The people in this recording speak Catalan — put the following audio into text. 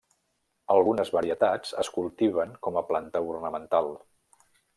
Algunes varietats es cultiven com planta ornamental.